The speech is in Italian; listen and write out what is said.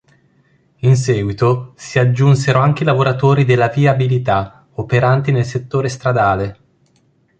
In seguito si aggiunsero anche i lavoratori della viabilità, operanti nel settore stradale.